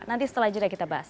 nanti setelah jeda kita bahas